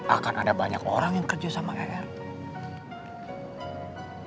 akan ada banyak orang yang kerja sama kayak eros